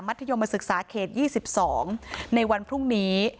มศศเขต๒๒ในวันพรุ่งนี้